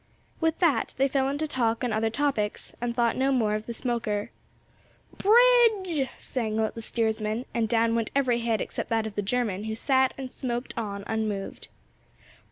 With that they fell into talk on other topics, and thought no more of the smoker. "Bridge!" sang out the steersman, and down went every head except that of the German, who sat and smoked on unmoved.